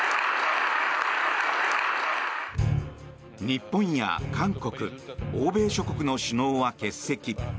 日本や韓国欧米諸国の首脳は欠席。